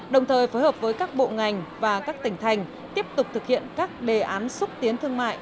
đồng thời phối hợp với các bộ ngành và các tỉnh thành tiếp tục thực hiện các đề án xúc tiến thương mại